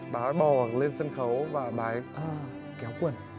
bà ấy bò lên sân khấu và bà ấy kéo quần